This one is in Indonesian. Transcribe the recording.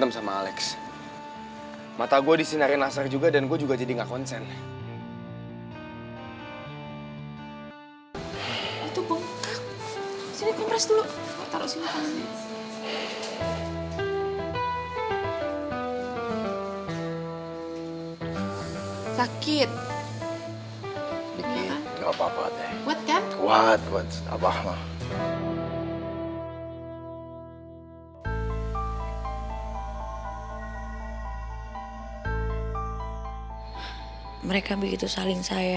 keselio tante lihat dulu ya